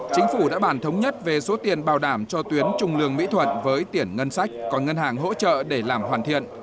chính phủ đã bàn thống nhất về số tiền bảo đảm cho tuyến trung lương mỹ thuận với tiền ngân sách còn ngân hàng hỗ trợ để làm hoàn thiện